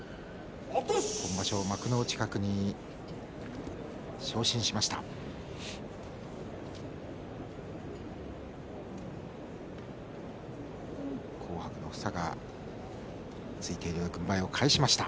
今場所、幕内格に昇進しました。